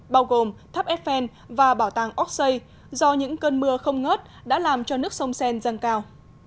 bao gồm tháp eiffel và bảo tàng auxailles do những cơn mưa không ngớt đã làm cho nước sông seine răng cao